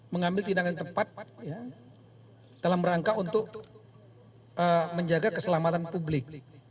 mengambil tindakan yang tepat dalam rangka untuk menjaga keselamatan publik